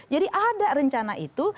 jadi ada rencana itu